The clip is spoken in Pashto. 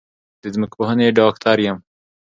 د ځمکپوهنې ډاکټر یم